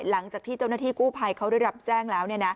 หลังจากที่เจ้าหน้าที่กู้ภัยเขาได้รับแจ้งแล้ว